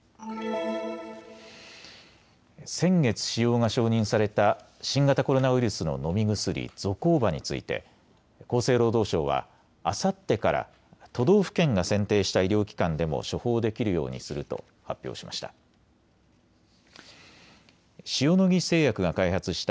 先月使用が承認された新型コロナウイルスの飲み薬、ゾコーバについて厚生労働省はあさってから都道府県が選定した医療機関でも処方できるようにすると発表しました。